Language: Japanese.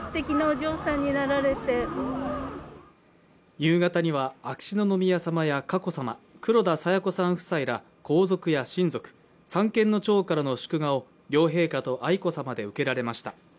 夕方には秋篠宮さまや佳子さま黒田清子さん夫妻ら皇族や親族、三権の長からの祝賀を両陛下と愛子さまで受けられました。